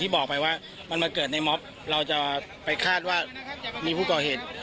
บอกไปว่ามันมาเกิดในม็อบเราจะไปคาดว่ามีผู้ก่อเหตุ